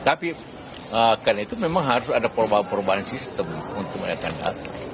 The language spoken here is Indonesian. tapi karena itu memang harus ada perubahan sistem untuk melihat anda